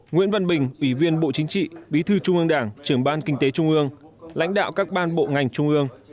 nguyễn văn bình ủy viên bộ chính trị bí thư trung ương đảng trưởng ban kinh tế trung ương lãnh đạo các ban bộ ngành trung ương